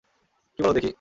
কী বলো দেখি?